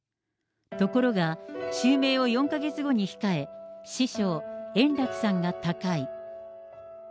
ところが、襲名を４か月後に控え、師匠、圓楽さんが他界。